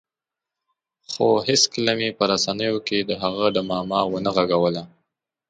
خو هېڅکله مې په رسنیو کې د هغه ډمامه ونه غږوله.